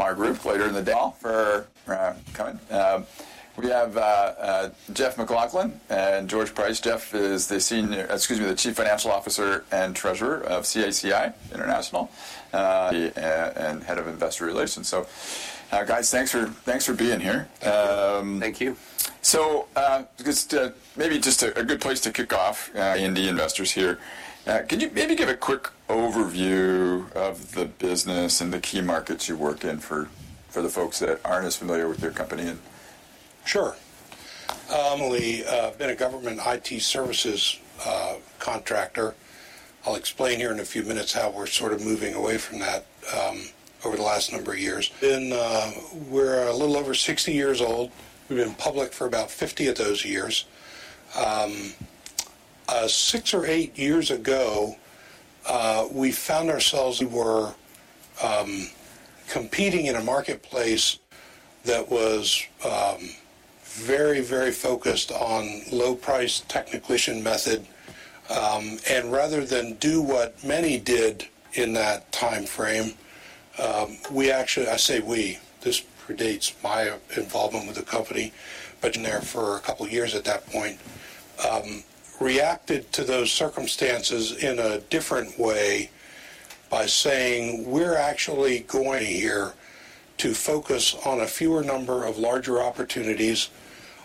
Our group later in the day. We have Jeff MacLauchlan and George Price. Jeff is the senior, excuse me, the Chief Financial Officer and Treasurer of CACI International, and head of investor relations. So, guys, thanks for being here. Thank you. So, maybe a good place to kick off, A&D investors here. Can you maybe give a quick overview of the business and the key markets you work in for the folks that aren't as familiar with your company? Sure. We've only been a government IT services contractor. I'll explain here in a few minutes how we're sort of moving away from that, over the last number of years. We're a little over 60 years old. We've been public for about 50 of those years. Six or eight years ago, we found ourselves. We were competing in a marketplace that was very, very focused on low-price, technically acceptable method. And rather than do what many did in that timeframe, we actually. I say we. This predates my involvement with the company, but for a couple of years at that point, reacted to those circumstances in a different way by saying, "We're actually going to focus on a fewer number of larger opportunities,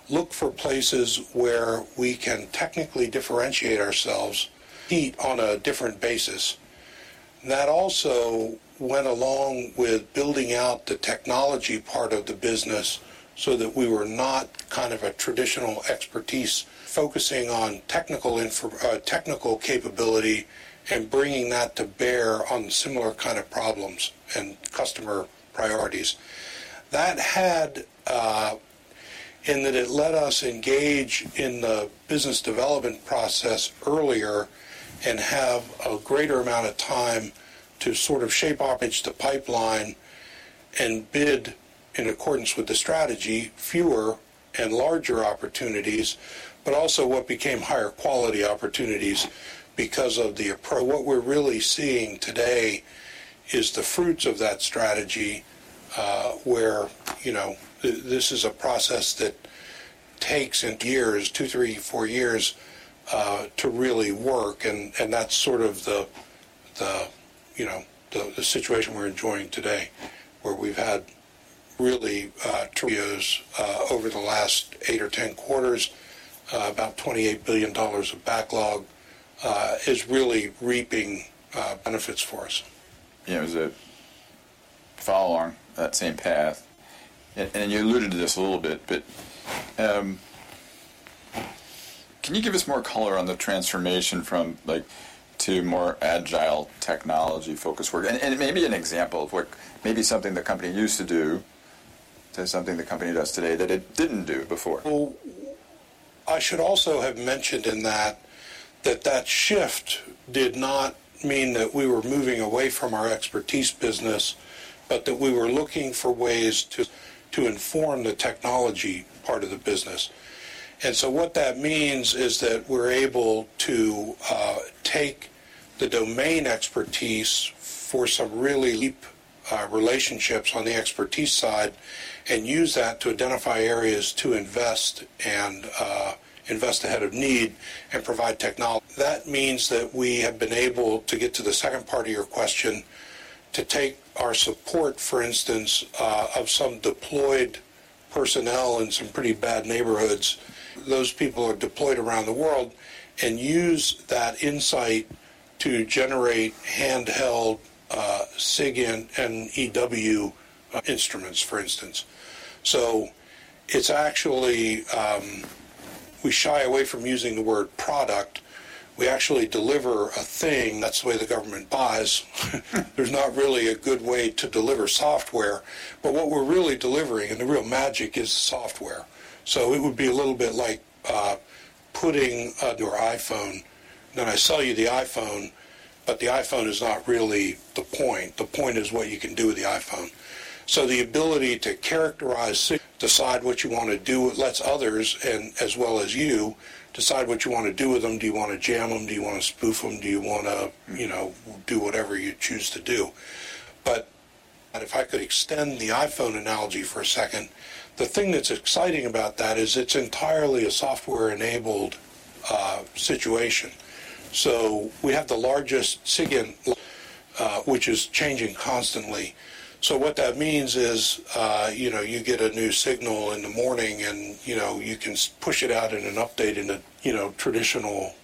look for places where we can technically differentiate ourselves. Compete on a different basis." That also went along with building out the technology part of the business so that we were not kind of a traditional expertise. Focusing on technical infra technical capability and bringing that to bear on similar kind of problems and customer priorities. That had, in that it let us engage in the business development process earlier and have a greater amount of time to sort of shape our pitch, the pipeline, and bid in accordance with the strategy fewer and larger opportunities, but also what became higher-quality opportunities because of the approach. What we're really seeing today is the fruits of that strategy, where, you know, this is a process that takes years, two, three, four years, to really work. And that's sort of the, you know, the situation we're enjoying today, where we've had really good visibility over the last eight or 10 quarters, about $28 billion of backlog, is really reaping benefits for us. Yeah. It was a follow-on that same path. And you alluded to this a little bit, but can you give us more color on the transformation from, like, to more agile technology-focused work? And maybe an example of what, maybe, something the company used to do to something the company does today that it didn't do before. Well, I should also have mentioned that that shift did not mean that we were moving away from our expertise business, but that we were looking for ways to inform the technology part of the business. And so what that means is that we're able to take the domain expertise for some really deep relationships on the expertise side and use that to identify areas to invest and invest ahead of need and provide technology. That means that we have been able to get to the second part of your question, to take our support, for instance, of some deployed personnel in some pretty bad neighborhoods. Those people are deployed around the world and use that insight to generate handheld SIGINT and EW instruments, for instance. So it's actually we shy away from using the word product. We actually deliver a thing. That's the way the government buys. There's not really a good way to deliver software. But what we're really delivering, and the real magic, is software. So it would be a little bit like putting our iPhone. Then I sell you the iPhone, but the iPhone is not really the point. The point is what you can do with the iPhone. So the ability to characterize. Decide what you want to do with lets others, and as well as you, decide what you want to do with them. Do you want to jam them? Do you want to spoof them? Do you want to, you know, do whatever you choose to do? But if I could extend the iPhone analogy for a second, the thing that's exciting about that is it's entirely a software-enabled situation. So we have the largest SIGINT, which is changing constantly. So what that means is, you know, you get a new signal in the morning, and, you know, you can push it out in an update in a, you know, traditionally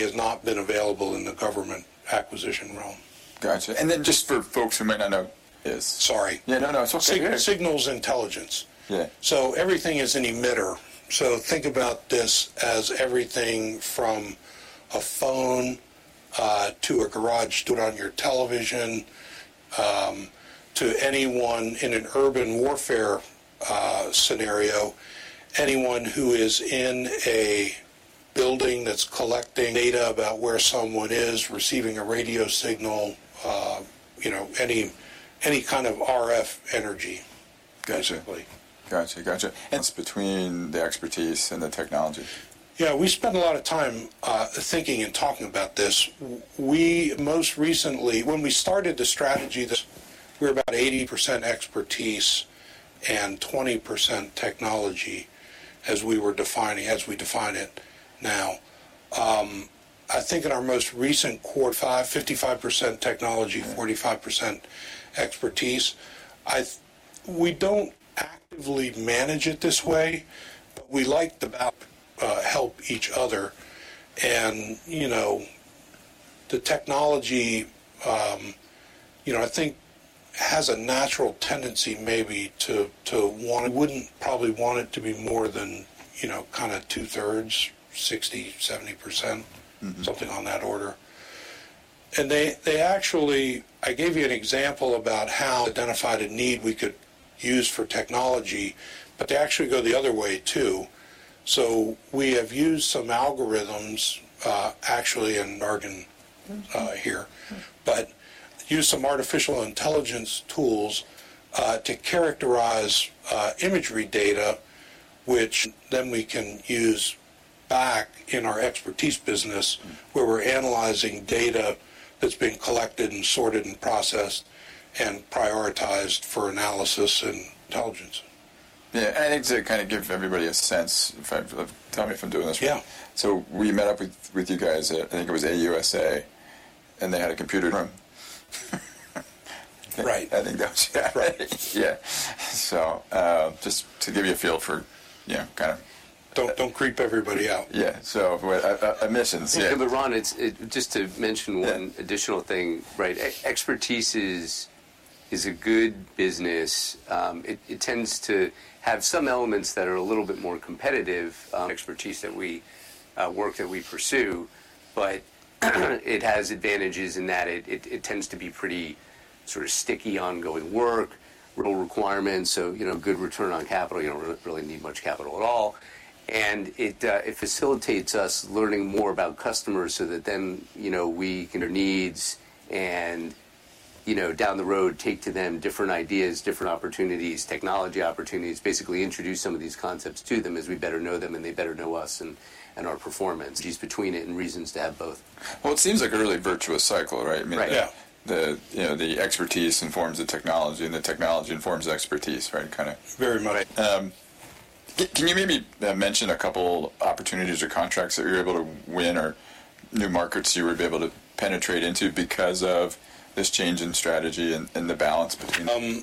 has not been available in the government acquisition realm. Gotcha. And then just for folks who might not know. Is. Sorry. Yeah. No, no. It's okay. Signals intelligence. Yeah. So everything is an emitter. So think about this as everything from a phone, to a garage door opener on your television, to anyone in an urban warfare scenario, anyone who is in a building that's collecting data about where someone is receiving a radio signal, you know, any, any kind of RF energy, basically. Gotcha. Gotcha. Gotcha. Between the expertise and the technology? Yeah. We spent a lot of time, thinking and talking about this. We most recently when we started the strategy. We're about 80% expertise and 20% technology as we were defining as we define it now. I think in our most recent quarter. 55% technology, 45% expertise. I think we don't actively manage it this way, but we like the balance. Help each other. And, you know, the technology, you know, I think has a natural tendency maybe to, to want it we wouldn't probably want it to be more than, you know, kind of two-thirds, 60%-70%. Mm-hmm. Something on that order. And they, they actually. I gave you an example about how identified a need we could use for technology, but they actually go the other way too. So we have used some algorithms, actually. Jargon here, but used some artificial intelligence tools to characterize imagery data, which then we can use back in our expertise business where we're analyzing data that's been collected and sorted and processed and prioritized for analysis and intelligence. Yeah. I think to kind of give everybody a sense. Tell me if I'm doing this right. Yeah. We met up with you guys. I think it was AUSA, and they had a computer room. Right. I think that was, yeah. Right. Yeah. So, just to give you a feel for, you know, kind of. Don't, don't creep everybody out. Yeah. So wait. admissions. Everyone, it's just to mention one. Mm-hmm. Additional thing, right? Expertise is a good business. It tends to have some elements that are a little bit more competitive, expertise, work that we pursue, but it has advantages in that it tends to be pretty sort of sticky ongoing work, real requirements, so, you know, good return on capital. You don't really need much capital at all. And it facilitates us learning more about customers so that then, you know, we can meet needs and, you know, down the road, talk to them different ideas, different opportunities, technology opportunities, basically introduce some of these concepts to them as we better know them and they better know us and our performance. Synergies between it and reasons to have both. Well, it seems like a really virtuous cycle, right? I mean. Right. Yeah. You know, the expertise informs the technology, and the technology informs expertise, right, kind of. Very much so. Can you maybe mention a couple opportunities or contracts that you're able to win or new markets you would be able to penetrate into because of this change in strategy and the balance between?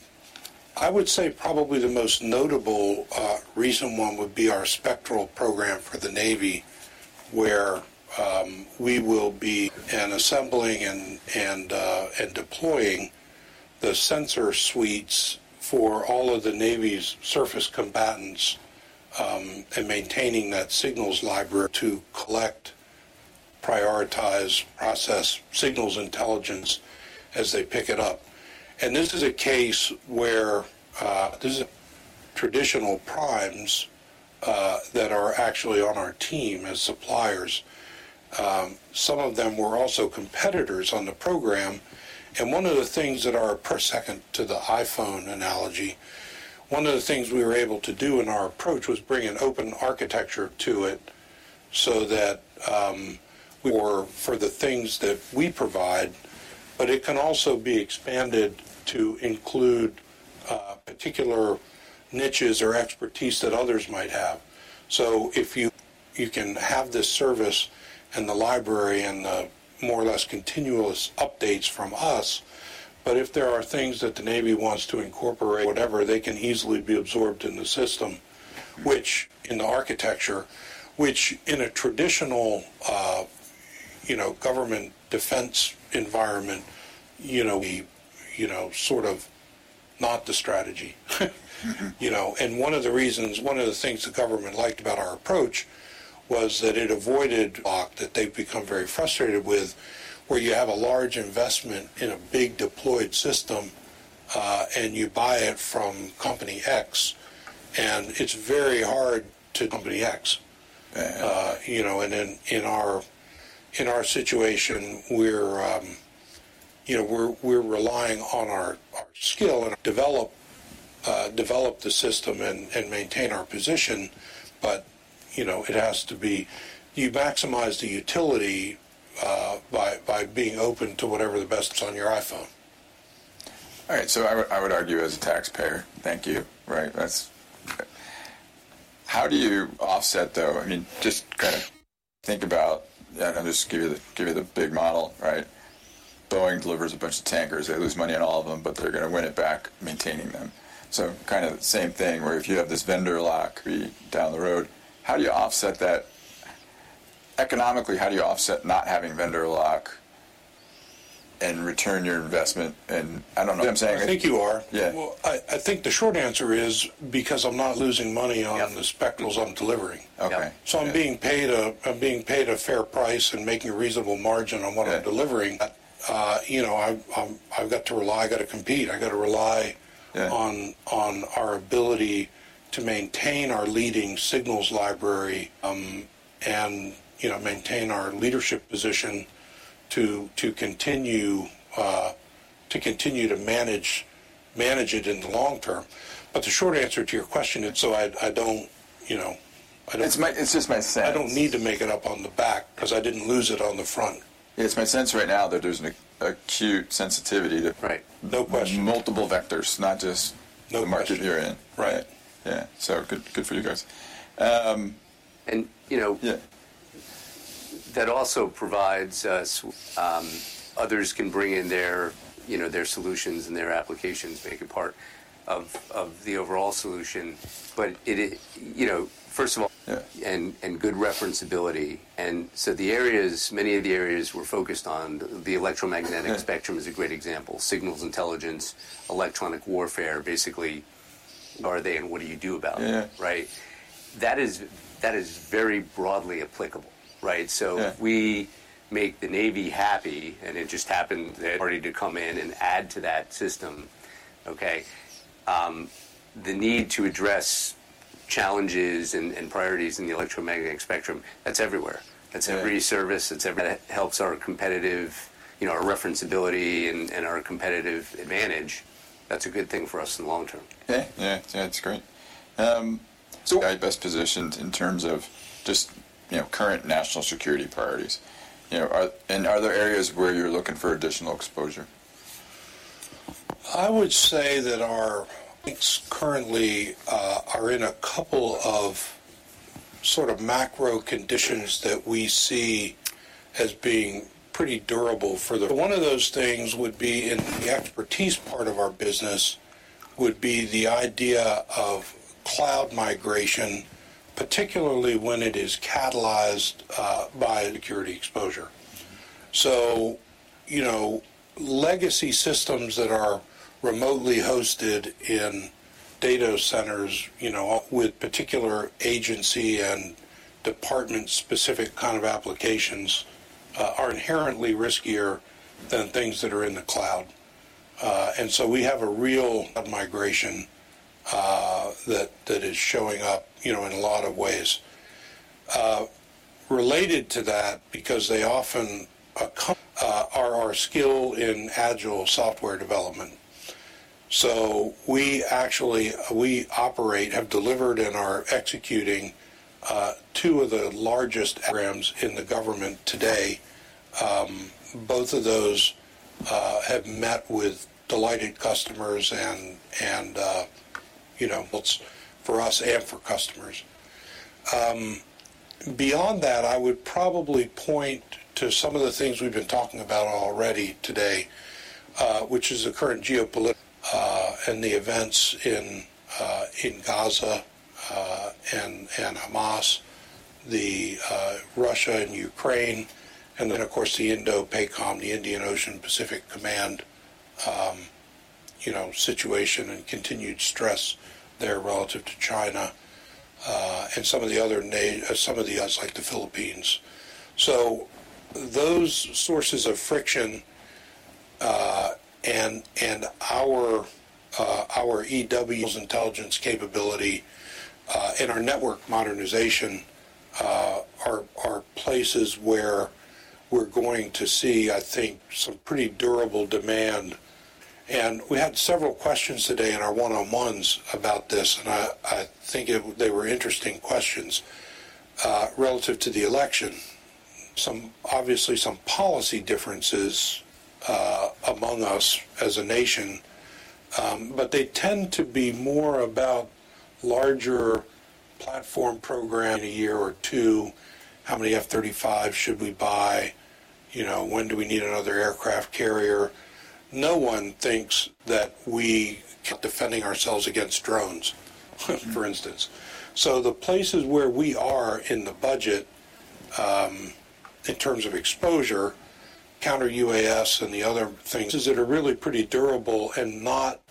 I would say probably the most notable reason, one would be our Spectral program for the Navy, where we will be assembling and deploying the sensor suites for all of the Navy's surface combatants, and maintaining that signals library to collect, prioritize, process signals intelligence as they pick it up. And this is a case where this is a traditional primes that are actually on our team as suppliers. Some of them were also competitors on the program. And one of the things that are pursuant to the iPhone analogy, one of the things we were able to do in our approach was bring an open architecture to it so that for the things that we provide, but it can also be expanded to include particular niches or expertise that others might have. So if you can have this service and the library and the more or less continuous updates from us. But if there are things that the Navy wants to incorporate, whatever, they can easily be absorbed in the system, which in the architecture, which in a traditional, you know, government defense environment, you know, sort of not the strategy. You know, and one of the reasons one of the things the government liked about our approach was that it avoided block that they've become very frustrated with, where you have a large investment in a big deployed system, and you buy it from company X. And it's very hard to company X. Uh-huh. You know, and in our situation, we're, you know, we're relying on our skill and develop the system and maintain our position, but, you know, it has to be you maximize the utility by being open to whatever the best on your iPhone. All right. So I would I would argue as a taxpayer, thank you, right? That's how do you offset, though? I mean, just kind of think about, and I'll just give you the big model, right? Boeing delivers a bunch of tankers. They lose money on all of them, but they're going to win it back maintaining them. So kind of same thing where if you have this vendor lock. Be down the road. How do you offset that economically? How do you offset not having vendor lock and return your investment? And I don't know. You know what I'm saying? I think you are. Yeah. Well, I think the short answer is because I'm not losing money on the Spectrals I'm delivering. Okay. Yeah. So I'm being paid a fair price and making a reasonable margin on what I'm delivering. That, you know, I've got to rely. I got to compete. I got to rely on our ability to maintain our leading signals library, and, you know, maintain our leadership position to continue to manage it in the long term. But the short answer to your question. So I don't, you know I don't. It's just my sense. I don't need to make it up on the back because I didn't lose it on the front. Yeah. It's my sense right now that there's an acute sensitivity. Right. No question. Multiple vectors, not just the market you're in. No question. Right. Yeah. So good, good for you guys. And, you know. Yeah. That also provides us. Others can bring in their, you know, their solutions and their applications, make it part of the overall solution. But it, you know, first of all. Yeah. Good reliability. So the areas many of the areas we're focused on, the Electromagnetic Spectrum is a great example, Signals Intelligence, Electronic Warfare, basically. Are they, and what do you do about them? Yeah. Right? That is very broadly applicable, right? So we make the Navy happy, and it just happened that party to come in and add to that system, okay? The need to address challenges and priorities in the electromagnetic spectrum, that's everywhere. That's every service. That helps our competitive, you know, our referenceability and our competitive advantage. That's a good thing for us in the long term. Okay. Yeah. Yeah. That's great. So, CACI best positioned in terms of just, you know, current national security priorities? You know, are there areas where you're looking for additional exposure? I would say that our tanks currently are in a couple of sort of macro conditions that we see as being pretty durable for the. One of those things would be in the expertise part of our business would be the idea of cloud migration, particularly when it is catalyzed by security exposure. You know, legacy systems that are remotely hosted in data centers, you know, with particular agency and department-specific kind of applications, are inherently riskier than things that are in the cloud. We have a real migration that is showing up, you know, in a lot of ways. Related to that, because they often are, our skill in agile software development. We actually operate, have delivered, and are executing two of the largest programs in the government today. Both of those have met with delighted customers and, you know. Both for us and for customers. Beyond that, I would probably point to some of the things we've been talking about already today, which is the current geopolitical and the events in Gaza, and Hamas, Russia and Ukraine, and of course, the Indo-PACOM, the Indo-Pacific Command, you know, situation and continued stress there relative to China, and some of the other. Like the Philippines. So those sources of friction, and our EW intelligence capability, and our network modernization, are places where we're going to see, I think, some pretty durable demand. And we had several questions today in our one-on-ones about this, and I think they were interesting questions, relative to the election. Some obviously, some policy differences among us as a nation, but they tend to be more about larger platform program. A year or two? How many F-35s should we buy? You know, when do we need another aircraft carrier? No one thinks that we are defending ourselves against drones, for instance. So the places where we are in the budget, in terms of exposure, counter-UAS and the other things that are really pretty durable and not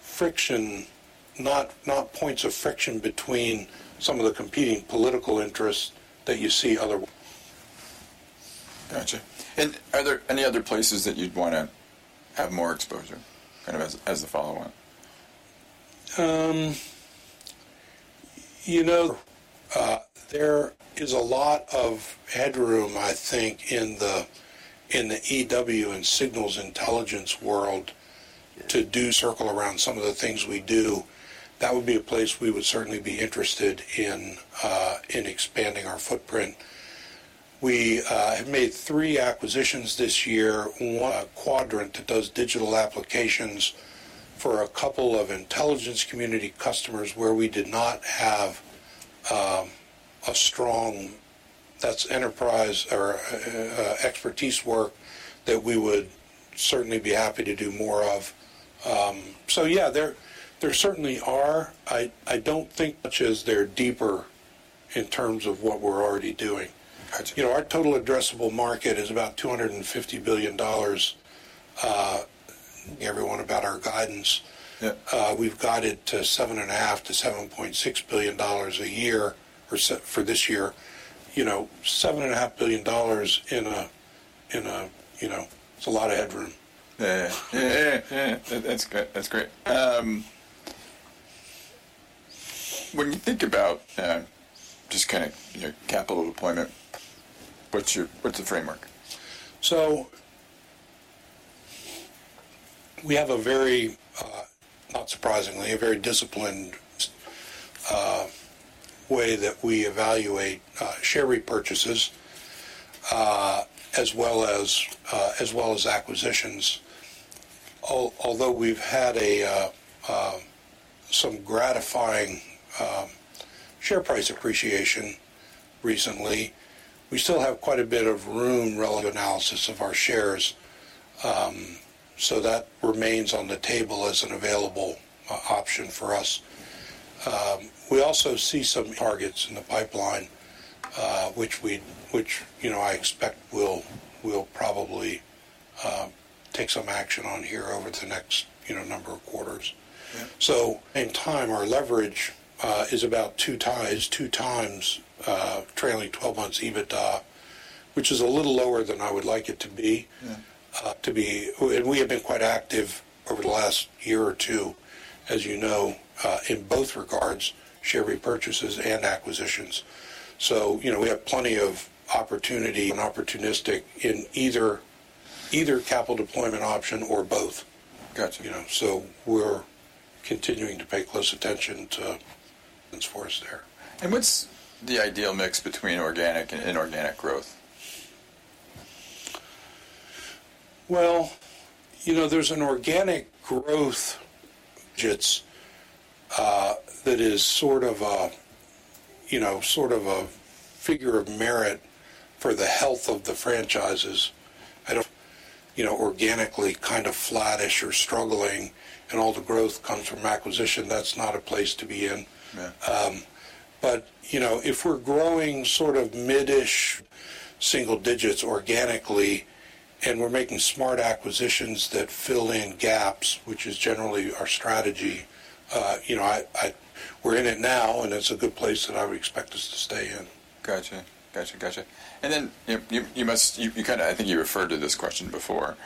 friction not, not points of friction between some of the competing political interests that you see other. Gotcha. And are there any other places that you'd want to have more exposure, kind of as the follow-on? You know, there is a lot of headroom, I think, in the EW and signals intelligence world to do circle around some of the things we do. That would be a place we would certainly be interested in expanding our footprint. We have made 3 acquisitions this year. Quadrint that does digital applications for a couple of intelligence community customers where we did not have a strong. That is enterprise or expertise work that we would certainly be happy to do more of. So yeah, there certainly are. I don't think as they're deeper in terms of what we're already doing. Gotcha. You know, our total addressable market is about $250 billion. Everything about our guidance. Yeah. We've got it to $7.5-$7.6 billion a year for FY for this year. You know, $7.5 billion in a, you know, it's a lot of headroom. Yeah. Yeah. Yeah. Yeah. That's good. That's great. When you think about, just kind of, you know, capital deployment, what's your what's the framework? So we have, not surprisingly, a very disciplined way that we evaluate share repurchases, as well as acquisitions. Although we've had some gratifying share price appreciation recently, we still have quite a bit of room analysis of our shares, so that remains on the table as an available option for us. We also see some targets in the pipeline, which we'd, you know, I expect we'll probably take some action on here over the next, you know, number of quarters. Yeah. At the same time, our leverage is about 2x trailing 12 months EBITDA, which is a little lower than I would like it to be. Yeah. to be and we have been quite active over the last year or two, as you know, in both regards, share repurchases and acquisitions. So, you know, we have plenty of opportunity. And opportunistic in either, either capital deployment option or both. Gotcha. You know, so we're continuing to pay close attention to force there. What's the ideal mix between organic and inorganic growth? Well, you know, there's an organic growth. Budgets, that is sort of a you know, sort of a figure of merit for the health of the franchises. You know, organically kind of flattish or struggling, and all the growth comes from acquisition, that's not a place to be in. Yeah. But, you know, if we're growing sort of mid-ish single digits organically, and we're making smart acquisitions that fill in gaps, which is generally our strategy. You know, I. We're in it now, and it's a good place that I would expect us to stay in. Gotcha. And then you must kind of—I think you referred to this question before.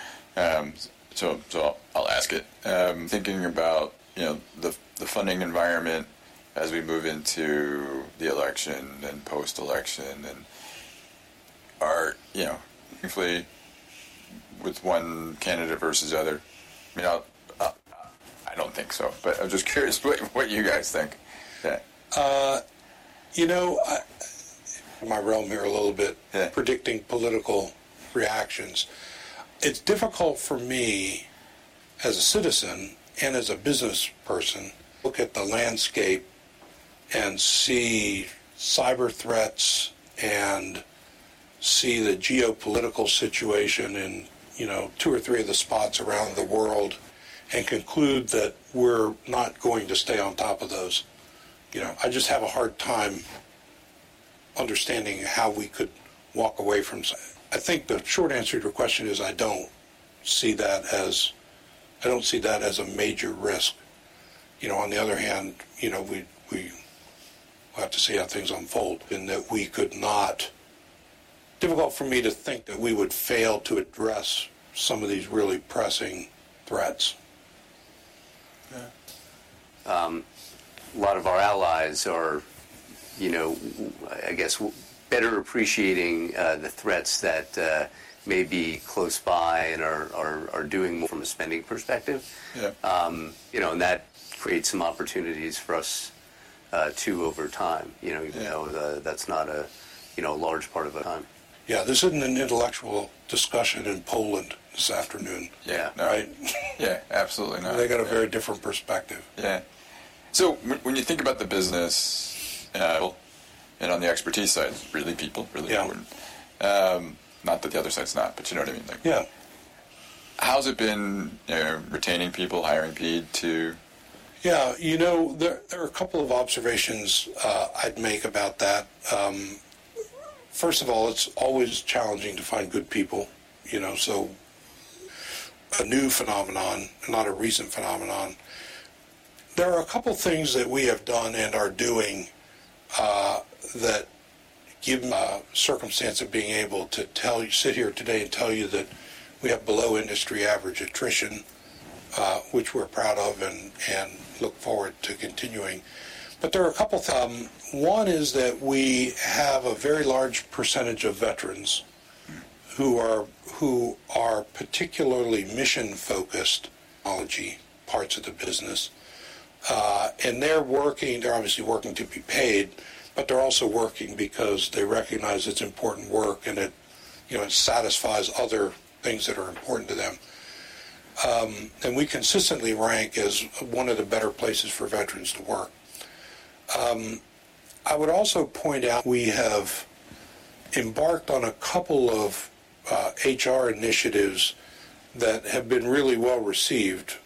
So I'll ask it. Thinking about, you know, the funding environment as we move into the election and post-election and our, you know. Briefly with one candidate versus the other? I mean, I don't think so, but I'm just curious what you guys think. Yeah. You know, my realm here a little bit. Yeah. Predicting political reactions. It's difficult for me as a citizen and as a business person. Look at the landscape and see cyber threats and see the geopolitical situation in, you know, two or three of the spots around the world and conclude that we're not going to stay on top of those. You know, I just have a hard time understanding how we could walk away from. I think the short answer to your question is I don't see that as a major risk. You know, on the other hand, you know, we'll have to see how things unfold. It's not difficult for me to think that we would fail to address some of these really pressing threats. Yeah. A lot of our allies are, you know, I guess, better appreciating the threats that may be close by and are doing. From a spending perspective. Yeah. You know, and that creates some opportunities for us, too, over time, you know, even though that's not a, you know, a large part of time. Yeah. There's been an intellectual discussion in Poland this afternoon. Yeah. Right? Yeah. Absolutely not. They got a very different perspective. Yeah. So when, when you think about the business, and on the expertise side, it's really people, really important. Yeah. not that the other side's not, but you know what I mean. Like. Yeah. How's it been, you know, retaining people, hiring people too? Yeah. You know, there are a couple of observations I'd make about that. First of all, it's always challenging to find good people, you know, so. A new phenomenon, not a recent phenomenon. There are a couple of things that we have done and are doing that give circumstance of being able to sit here today and tell you that we have below-industry-average attrition, which we're proud of and look forward to continuing. But there are a couple of things. One is that we have a very large percentage of veterans who are particularly mission-focused. Technology parts of the business. And they're working; they're obviously working to be paid, but they're also working because they recognize it's important work and it, you know, it satisfies other things that are important to them. We consistently rank as one of the better places for veterans to work. I would also point out. We have embarked on a couple of HR initiatives that have been really well received.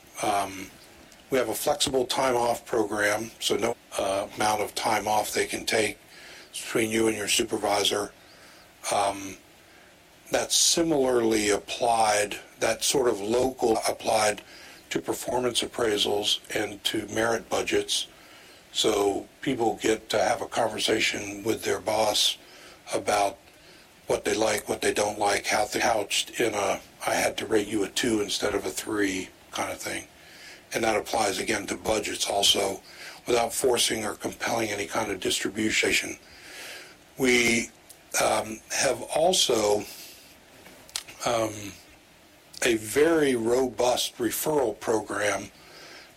We have a flexible time-off program, so amount of time-off they can take. It's between you and your supervisor. That's similarly applied that sort of local applied to performance appraisals and to merit budgets, so people get to have a conversation with their boss about what they like, what they don't like, how couched in a "I had to rate you a two instead of a three" kind of thing. And that applies, again, to budgets also, without forcing or compelling any kind of distribution. We have also a very robust referral program,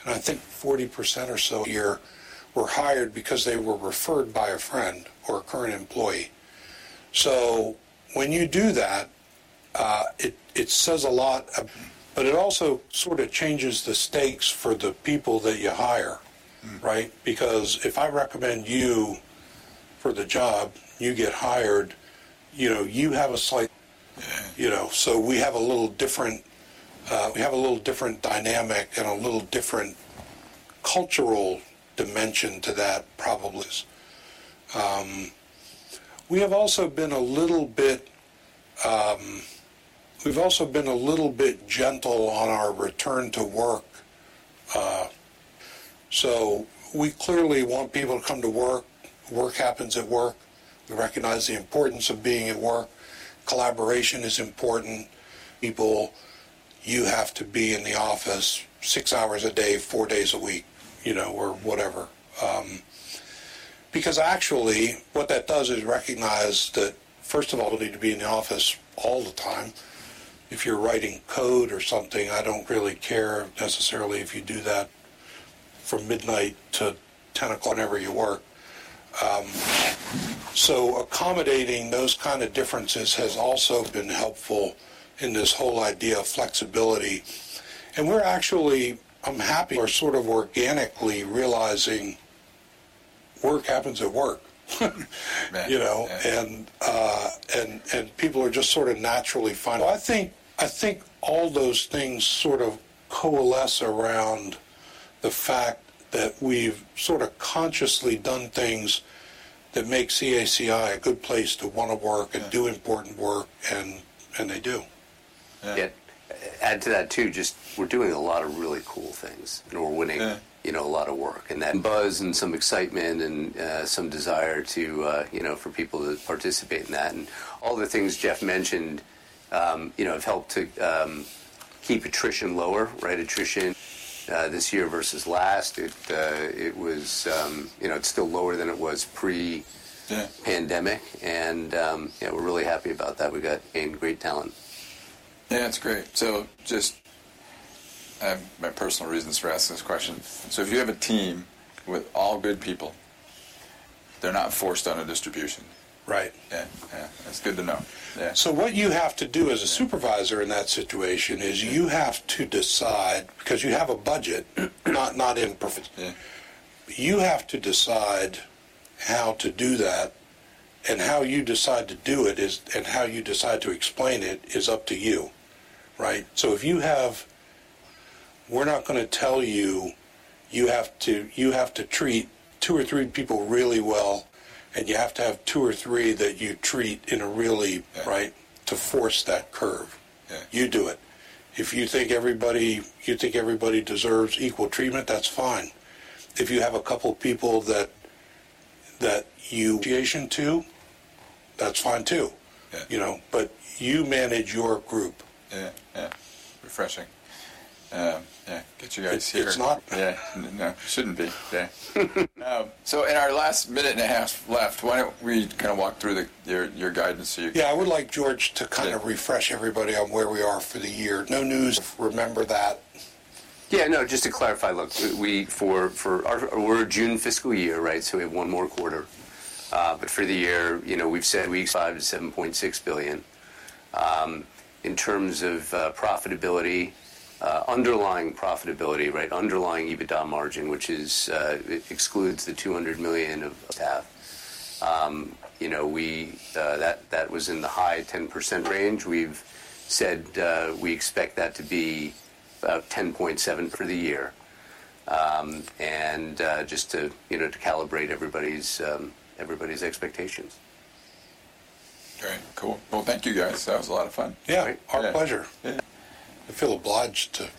and I think 40% or so year were hired because they were referred by a friend or a current employee. So when you do that, it says a lot. But it also sort of changes the stakes for the people that you hire, right? Because if I recommend you for the job, you get hired, you know, you have a slight. Yeah. You know, so we have a little different dynamic and a little different cultural dimension to that, probably. We've also been a little bit gentle on our return to work. So we clearly want people to come to work. Work happens at work. We recognize the importance of being at work. Collaboration is important. People, you have to be in the office six hours a day, four days a week, you know, or whatever. Because actually, what that does is recognize that, first of all, you need to be in the office all the time. If you're writing code or something, I don't really care necessarily if you do that from midnight to 10 o'clock. Whenever you work. So accommodating those kind of differences has also been helpful in this whole idea of flexibility. We're actually happy. We're sort of organically realizing work happens at work. Yeah. You know, people are just sort of naturally finding. I think all those things sort of coalesce around the fact that we've sort of consciously done things that make CACI a good place to want to work and do important work, and they do. Yeah. Yeah. Add to that too, just we're doing a lot of really cool things, and we're winning. Yeah. You know, a lot of work and buzz and some excitement and some desire to, you know, for people to participate in that. And all the things Jeff mentioned, you know, have helped to keep attrition lower, right? Attrition this year versus last, it was, you know, it's still lower than it was pre. Yeah. Pandemic. Yeah, we're really happy about that. We gained great talent. Yeah. That's great. So just I have my personal reasons for asking this question. So if you have a team with all good people, they're not forced on a distribution. Right. Yeah. Yeah. That's good to know. Yeah. So what you have to do as a supervisor in that situation is you have to decide because you have a budget, not in. Yeah. You have to decide how to do that, and how you decide to do it is, and how you decide to explain it is up to you, right? We're not going to tell you you have to treat two or three people really well, and you have to have two or three that you treat in a really. Right, to force that curve. Yeah. You do it. If you think everybody deserves equal treatment, that's fine. If you have a couple of people that Association, too, that's fine too. Yeah. You know, but you manage your group. Yeah. Yeah. Refreshing. Yeah. Get you guys here. It's not. Yeah. No. Shouldn't be. Yeah. So in our last minute and a half left, why don't we kind of walk through your guidance so you can. Yeah. I would like George to kind of refresh everybody on where we are for the year. No news. Remember that. Yeah. No. Just to clarify, look, we're a June fiscal year, right? So we have one more quarter. But for the year, you know, we've said $5-$7.6 billion. In terms of profitability, underlying profitability, right, underlying EBITDA margin, which is, it excludes the $200 million of staff. You know, that was in the high 10% range. We've said, we expect that to be about 10.7%. For the year. And just to, you know, to calibrate everybody's expectations. All right. Cool. Well, thank you, guys. That was a lot of fun. Yeah. Our pleasure. I feel obliged to.